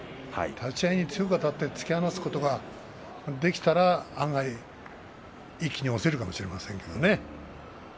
立ち合いに強くあたって突き放すことができたら、案外一気に押せるかもしれませんね。